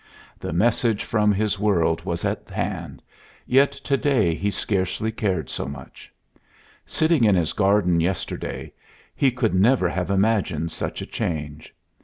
The message from his world was at hand, yet to day he scarcely cared so much. Sitting in his garden yesterday, he could never have imagined such a change.